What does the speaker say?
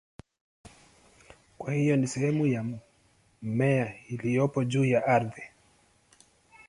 Kwa hiyo ni sehemu ya mmea iliyopo juu ya ardhi.